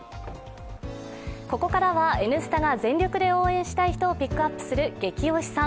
ここからは「Ｎスタ」が全力で応援したい人をピックアップするゲキ推しさん。